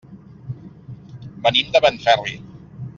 Venim de Benferri.